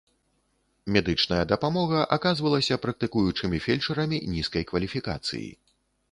Медычная дапамога аказвалася практыкуючымі фельчарамі нізкай кваліфікацыі.